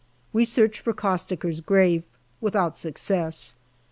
We search for Costaker's grave without success.